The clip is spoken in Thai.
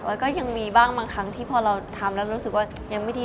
แล้วก็ยังมีบ้างบางครั้งที่พอเราทำแล้วรู้สึกว่ายังไม่ดี